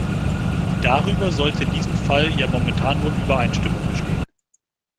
Darüber sollte in diesem Fall ja momentan wohl Übereinstimmung bestehen.